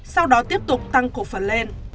sau đó tiếp tục tăng cổ phần lên